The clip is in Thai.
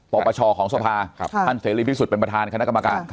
ปประชอของสภาครับครับท่านเศรษฐรีพิสุทธิ์เป็นประธานคณะกรรมการ